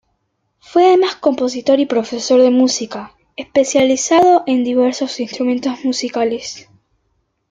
Fue además compositor y profesor de música, especializado en diversos instrumentos musicales.